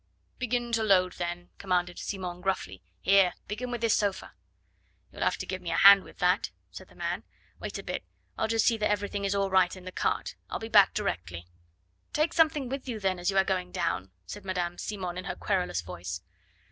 "Begin to load then," commanded Simon gruffly. "Here! begin with this sofa." "You'll have to give me a hand with that," said the man. "Wait a bit; I'll just see that everything is all right in the cart. I'll be back directly." "Take something with you then as you are going down," said Madame Simon in her querulous voice.